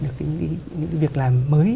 được những cái việc làm mới